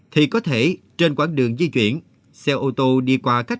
thì có thể trên quãng đường di chuyển xe ô tô đi qua các